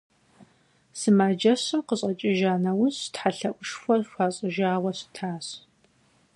Сымаджэщым къыщӀэкӀыжа нэужь тхьэлъэӀушхуэ хуащӀыжауэ щытащ.